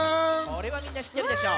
これはみんなしってるでしょ。